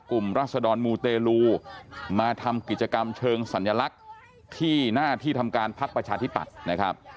รัศดรมูเตลูมาทำกิจกรรมเชิงสัญลักษณ์ที่หน้าที่ทำการพักประชาธิปัตย์นะครับ